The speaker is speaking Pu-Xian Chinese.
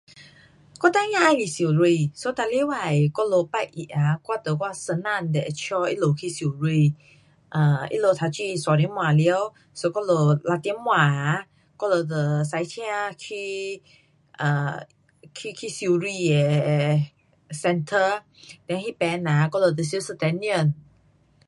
我孩儿喜欢游泳。so 每礼拜我们拜一啊，我跟我先生就会带他们去游泳，他们读书三点半完，so 我们六点半啊，我们就驾车去，去去游泳的 centre，then 那边呐我们就游一点钟。